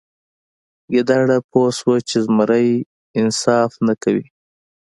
ګیدړه پوه شوه چې زمری انصاف نه کوي.